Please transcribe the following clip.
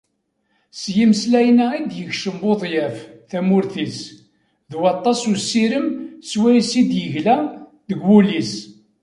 S yimeslayen-a i d-yekcem Buḍyaf tamurt-is d waṭas n usirem swayes i d-yegla deg wul-is.